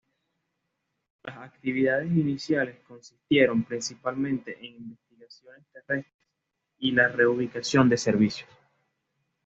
Las actividades iniciales consistieron principalmente en investigaciones terrestres y la reubicación de servicios.